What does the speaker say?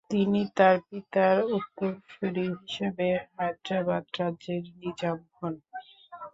তিনি তার পিতার উত্তরসুরি হিসেবে হায়দ্রাবাদ রাজ্যের নিজাম হন।